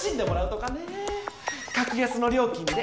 格安の料金で。